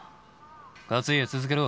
勝家続けろ。